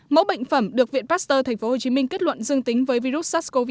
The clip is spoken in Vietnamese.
mẫu bệnh phẩm được viện pasteur tp hcm kết luận dương tính với virus sars cov hai